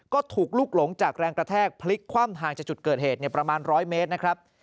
ก็ถูกลุกหลงจากแรงกระแทกพลิกคว่ำห่างจากจุดเกิดเหตุประมาณ๑๐๐เมตรนะครับ